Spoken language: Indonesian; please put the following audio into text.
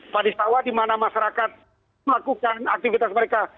padisawa di mana masyarakat melakukan aktivitas mereka